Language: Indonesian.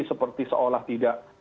seperti seolah tidak